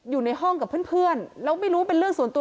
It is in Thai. อยู่ในห้องกับเพื่อนแล้วไม่รู้เป็นเรื่องส่วนตัว